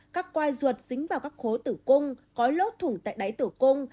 các quai ruột dính vào các khối tử cung có lốt thủng tại đáy tử cung